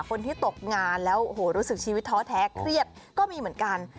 คนที่ตกงานแล้วโอ้โหรู้สึกชีวิตท้อแท้เครียดก็มีเหมือนกัน